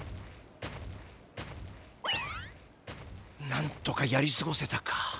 なんとかやりすごせたか。